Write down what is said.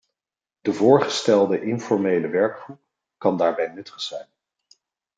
De voorgestelde informele werkgroep kan daarbij nuttig zijn.